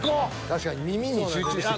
［確かに耳に集中してる］